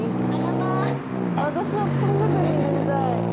わたしはふとん係になりたい。